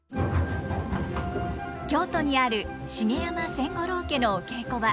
京都にある茂山千五郎家のお稽古場。